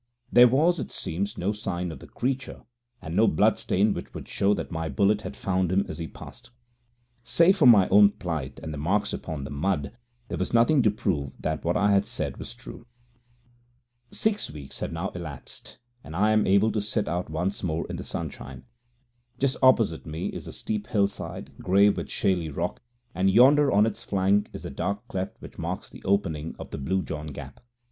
There was, it seems, no sign of the creature, and no bloodstain which would show that my bullet had found him as he passed. Save for my own plight and the marks upon the mud, there was nothing to prove that what I said was true. Six weeks have now elapsed, and I am able to sit out once more in the sunshine. Just opposite me is the steep hillside, grey with shaly rock, and yonder on its flank is the dark cleft which marks the opening of the Blue John Gap.